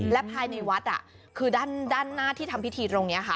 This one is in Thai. และภายในวัดคือด้านหน้าที่ทำพิธีตรงนี้ค่ะ